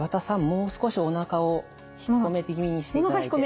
もう少しおなかを引っ込め気味にしていただいて。